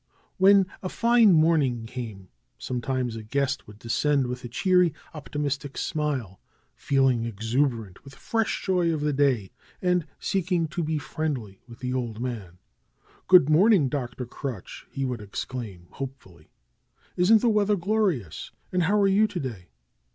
When a fine morning came, sometimes a guest would descend with a cheery, optimistic smile, feeling exu berant with the fresh joy of the day, and seeking to be friendly with the old man ^^Good morning, Dr. Crutch!" he would exclaim, hopefully. 'Tsn't the weather glorious? And how are you to day?"